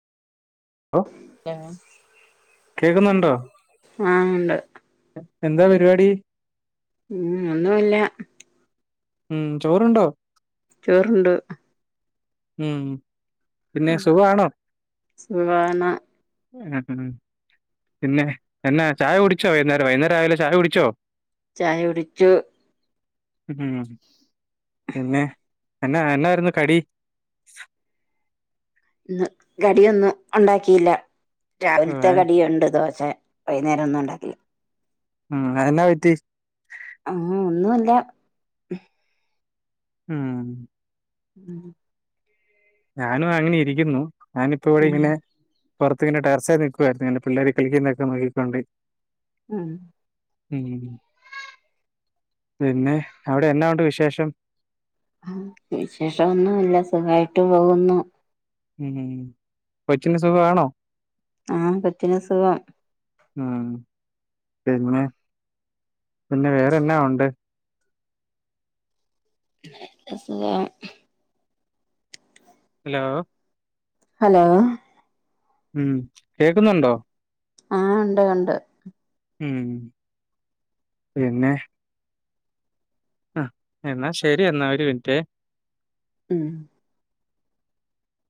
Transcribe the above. ഓ ആഹ് കേക്കുന്നുണ്ടോ ഉണ്ട് എന്താ പരിപാടി ഉം ഒന്നുല്ല ഉം ചോറുണ്ടോ ചോറുണ്ടു ഉം പിന്നെ സുഖവാണോ സുഖാണ് പിന്നെ എഞാ ചായ കുടിച്ചോ വൈകന്നേരം വൈന്നേരം ആയല്ലോ ചായ കുടിച്ചോ ചായ കുടിച്ചു ഉം പിന്നെ എഞാ എഞായിരുന്നു കടി സ ഇന്ന് കടിയൊന്നും ഉണ്ടാക്കിയില്ല. രാവിലത്തെ ഉം, കടിയുണ്ട് ദോശ. വൈന്നേരം ഒന്നും ഉണ്ടാക്കില്ല. ഉം അത് എന്നാ പറ്റി. ആ ഒന്നുല്ല ഉം.. [inaudible] ഞാനും അങ്ങനെ ഇരിക്കുന്നു ഞാനിപ്പ ഇവിടെ ഉം ഇങ്ങനെ പുറത്ത് ഇങ്ങനെ ടെറസെ നിൽക്കുവായിരുന്നു ഇങ്ങനെ പിള്ളേർ കളിക്കുന്നൊക്കെ നോക്കിക്കൊണ്ട്. ഉം ഉം പിന്നേ അവിടെ എന്നാ ഉണ്ട് വിശേഷം? വിശേഷം ഒന്നുംല്ല സുഖമായിട്ട് പോകുന്നു. ഉം ഉം കൊച്ചിന് സുഗാണോ ആഹ് കൊചിന് സുഖം ഉ പിന്നെ പിന്നെ വേറെന്നാ ഉണ്ട് സുഖം ഹലോ ഹലോ ഉം കേൾക്കുന്നുണ്ടോ ആഹ് ഉണ്ട് ഉണ്ട് ഉം പിന്നെ ആ എന്നാ ശരി എന്നാ ഒരു മിനിറ്റേ ഉം